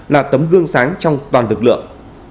là tấm gương sáng trong toàn lực lượng